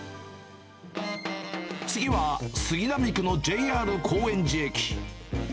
次は杉並区のＪＲ高円寺駅。